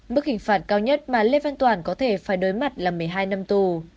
mức hình phạt cao nhất mà lê văn toàn có thể phải đối mặt là một mươi hai năm tù